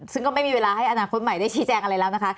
ซึ่งก็ไม่มีเวลาให้อนาคตใหม่ได้ชี้แจงอะไรแล้วนะคะ